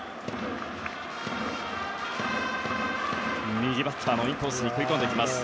右バッターのインコースに食い込んできます。